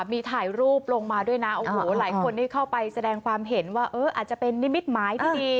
มีถ่ายรูปลงมาด้วยนะโอ้โหหลายคนที่เข้าไปแสดงความเห็นว่าเอออาจจะเป็นนิมิตหมายที่ดี